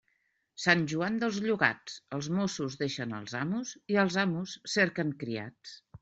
Sant Joan dels llogats, els mossos deixen els amos i els amos cerquen criats.